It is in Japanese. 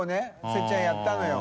せっちゃんやったのよ。